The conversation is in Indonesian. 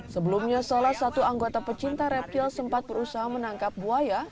sebelumnya salah satu anggota pecinta reptil sempat berusaha menangkap buaya